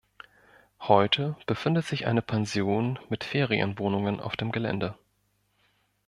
Heute befindet sich eine Pension mit Ferienwohnungen auf dem Gelände.